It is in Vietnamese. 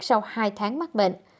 sau hai tháng mắc bệnh